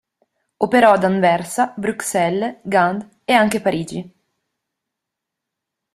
Operò ad Anversa, Bruxelles, Gand ed anche a Parigi